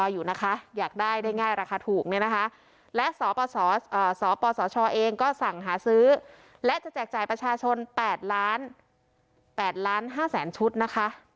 อยู่นะคะอยากได้ได้ง่ายราคาถูกเนี่ยนะคะและสอปสอสอปสอชอเองก็สั่งหาซื้อและจะแจกจ่ายประชาชนแปดล้านแปดล้านห้าแสนชุดนะคะ